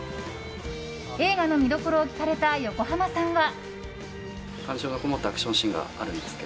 映画の見どころを聞かれた横浜さんは。